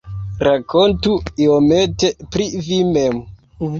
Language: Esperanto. Rakontu iomete pri vi mem.